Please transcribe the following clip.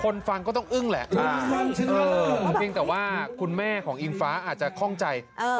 ฟังก็ต้องอึ้งแหละเพียงแต่ว่าคุณแม่ของอิงฟ้าอาจจะคล่องใจ